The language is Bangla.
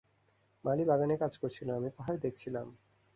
মালী বাগানে কাজ করছিল, আমি পাহাড় দেখছিলাম।